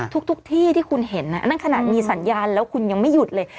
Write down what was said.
ทุกที่ที่คุณเห็นนั่นขนาดมีสัญญาณแล้วคุณยังไม่หยุดเลย